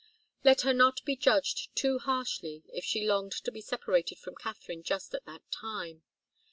Let her not be judged too harshly, if she longed to be separated from Katharine just at that time.